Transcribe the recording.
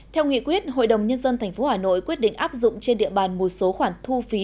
theo nghị quyết hội đồng nhân dân tp hà nội quyết định áp dụng trên địa bàn một số khoản thu phí